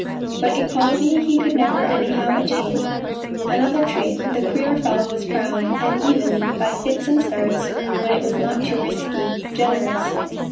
But equality he could never anyhow attain. Another trait : the queer fellow was proud, and even, by fits and starts, when it was not too risky, generous.